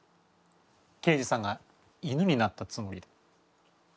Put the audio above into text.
刑事さんが犬になったつもりで。